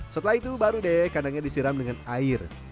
setelah itu baru deh kandangnya disiram dengan air